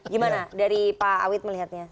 gimana dari pak awid melihatnya